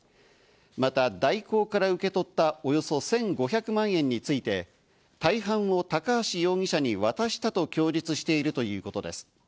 また大広から受け取ったおよそ１５００万円について、大半を高橋容疑者に渡したと供述しているということです。